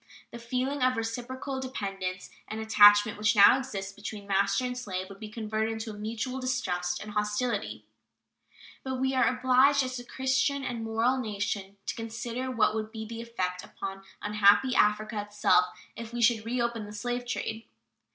The feeling of reciprocal dependence and attachment which now exists between master and slave would be converted into mutual distrust and hostility. But we are obliged as a Christian and moral nation to consider what would be the effect upon unhappy Africa itself if we should reopen the slave trade.